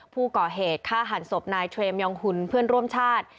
ผู้ก่อเหตุฆ่าหันศพนายเทรมยองหุ่นเพื่อนร่วมชาติ